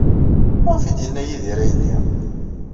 Maɣef ay d-yenna Yidir ayenni?